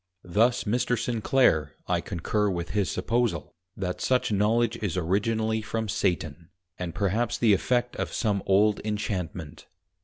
Thus Mr. Sinclare, I concur with his supposal, that such Knowledge is originally from Satan, and perhaps the Effect of some old Inchantment.